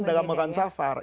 dalam makan safar